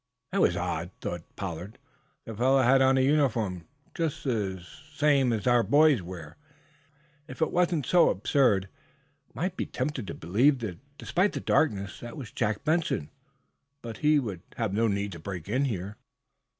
"That was odd," thought Pollard. "The fellow had on a uniform just such as our boys wear. If it weren't so absurd, I might be tempted to believe, despite the darkness, that it was Jack Benson. But he would have no need to break in here."